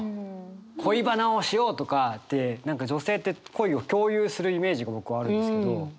恋バナをしようとかって何か女性って恋を共有するイメージが僕はあるんですけど。